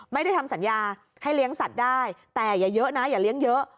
ไม่ได้ทำสัญญาให้เลี้ยงสัตว์ได้แต่อย่าเยอะนะอย่าเลี้ยงเยอะ